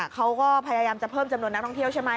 เขาก็พยายามจะเพิ่มจำนวนนักท่องเที่ยวใช่ไหม